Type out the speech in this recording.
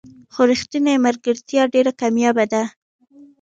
خو رښتینې ملګرتیا ډېره کمیابه ده.